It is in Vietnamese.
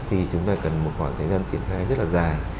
thì chúng ta cần một khoảng thời gian triển khai rất là dài